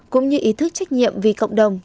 cũng như ý thức trách nhiệm vì cộng đồng